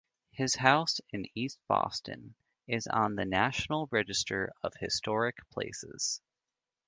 His house in East Boston is on the National Register of Historic Places.